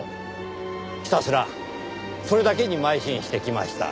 ひたすらそれだけにまい進してきました。